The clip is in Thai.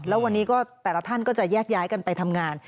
แล้ววันนี้ก็แต่ละท่านก็จะแยกย้ายกันไปทำงาน